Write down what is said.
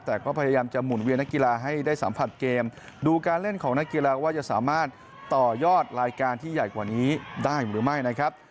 แต่ก็พยายามจะหมุนเวียนนักกีฬาให้ได้สัมผัสเกมดูการเล่นของนักกีฬาว่าจะสามารถต่อยอดรายการที่ใหญ่กว่านี้ได้หรือไม่นะครับ